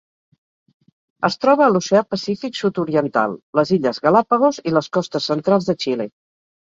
Es troba a l'Oceà Pacífic sud-oriental: les Illes Galápagos i les costes centrals de Xile.